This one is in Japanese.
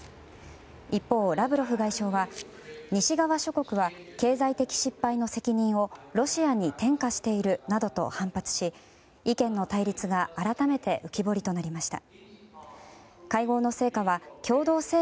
一方、ラブロフ外相は西側諸国は経済的失敗の責任をロシアに転嫁しているなどと反発し意見の対立が改めて浮き彫りとなりました。